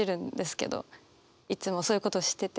いつもそういうことしてて。